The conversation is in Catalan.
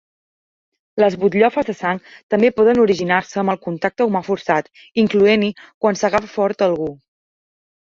Les butllofes de sang també poden originar-se amb el contacte humà forçat, incloent-hi quan s'agafa fort algú.